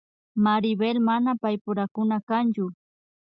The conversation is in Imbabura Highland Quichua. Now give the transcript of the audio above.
Maribel mana paypurakuna kanchu